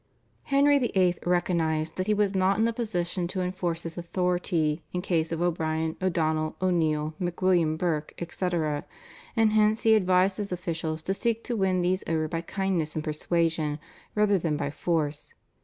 Henry VIII. recognised that he was not in a position to enforce his authority in case of O'Brien, O'Donnell, O'Neill, MacWilliam Burke, etc., and hence he advised his officials to seek to win these over by kindness and persuasion rather than by force.